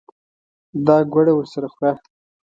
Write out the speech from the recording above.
دا ګوړه ورسره خوره.